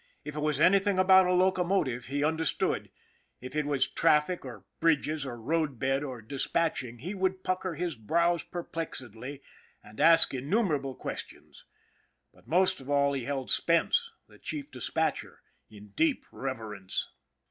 If it was any thing about a locomotive, he understood; if it was traffic or bridges or road bed or dispatching, he would pucker his brows perplexedly and ask innumerable questions. But most of all he held Spence, the chief dispatcher, in deep reverence.